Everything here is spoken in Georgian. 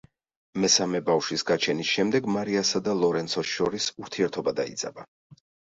მესამე ბავშვის გაჩენის შემდეგ, მარიასა და ლორენცოს შორის ურთიერთობა დაიძაბა.